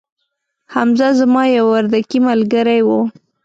حمزه زما یو وردکې ملګري وو